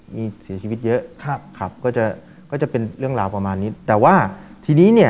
มีเสียชีวิตเยอะครับครับก็จะก็จะเป็นเรื่องราวประมาณนี้แต่ว่าทีนี้เนี่ย